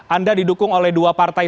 anda didukung oleh dua partai